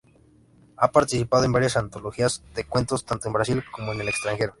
Ha participado en varias antologías de cuentos, tanto en Brasil como en el extranjero.